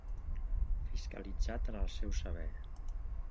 Fiscalitzat en el seu saber.